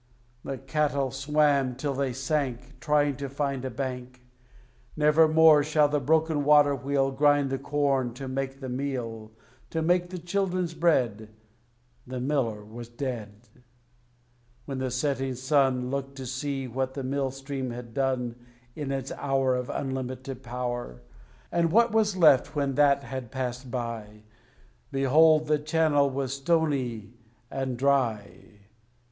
The cattle swam till they sank, Trying to find a bank. Never more shall the broken water wheel Grind the corn to make the meal, To make the children's bread. The miller was dead. When the setting sun Looked to see what the Mill Stream had done In its hour Of unlimited power, And what was left when that had passed by, Behold the channel was stony and dry.